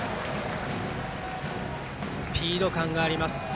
スピード感があります。